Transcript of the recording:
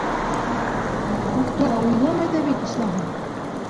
Туҡтарға уйламай ҙа бит, исмаһам!